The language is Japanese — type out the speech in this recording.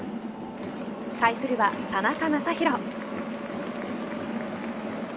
対するは田中将大。